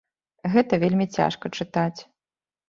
Гэта вельмі цяжка чытаць.